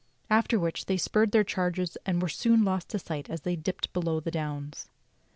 After which they spurred their chargers and were soon lost to sight as they dipped below the downs.